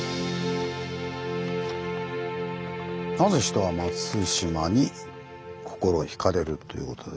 「なぜ人は松島に心ひかれる？」ということで。